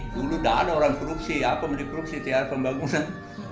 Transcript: dulu gak ada orang korupsi aku melihat korupsi tiada pembangunan